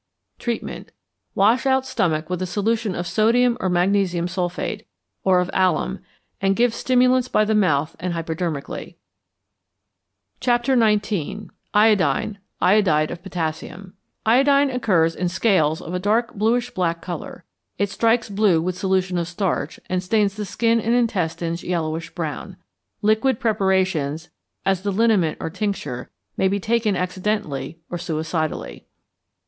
Treatment. Wash out stomach with a solution of sodium or magnesium sulphate, or of alum, and give stimulants by the mouth and hypodermically. XIX. IODINE IODIDE OF POTASSIUM =Iodine= occurs in scales of a dark bluish black colour. It strikes blue with solution of starch, and stains the skin and intestines yellowish brown. Liquid preparations, as the liniment or tincture, may be taken accidentally or suicidally.